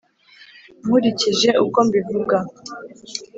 nkurikije uko mbivuga,